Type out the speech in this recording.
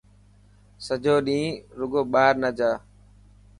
سچو ڏينهن رڳو ٻاهر نه جا.